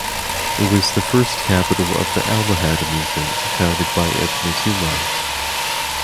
It was the first capital of the Almohad movement founded by Ibn Tumart.